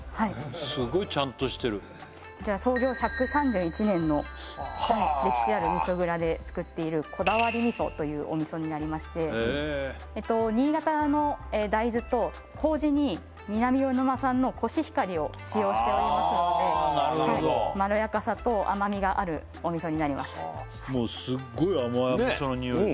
すごいちゃんとしてるこちら創業１３１年の歴史ある味噌蔵で造っているこだわり味噌というお味噌になりまして新潟の大豆と麹に南魚沼産のコシヒカリを使用しておりますのでまろやかさと甘みがあるお味噌になりますねえ